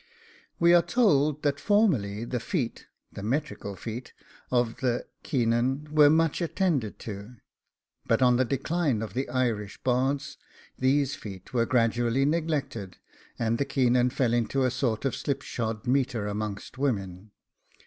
We are told, that formerly the feet (the metrical feet) of the Caoinan were much attended to; but on the decline of the Irish bards these feet were gradually neglected, and the Caoinan fell into a sort of slipshod metre amongst women.